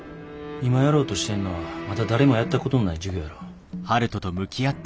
今やろうとしてんのはまだ誰もやったことのない事業やろ。